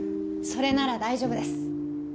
それなら大丈夫です。